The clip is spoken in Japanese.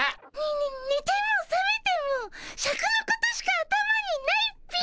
ねねてもさめてもシャクのことしか頭にないっピィ。